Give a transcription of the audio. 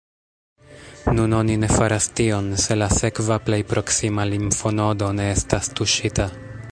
Nun oni ne faras tion, se la sekva plej proksima limfonodo ne estas tuŝita.